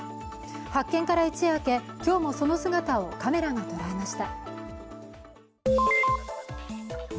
発見から一夜明け、今日もその姿をカメラが捉えました。